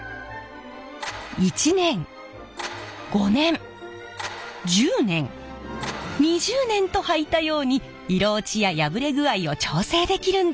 １年５年１０年２０年とはいたように色落ちや破れ具合を調整できるんです。